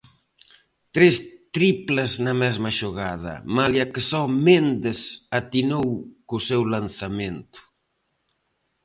Tres triplas na mesma xogada, malia que só Méndez atinou co seu lanzamento.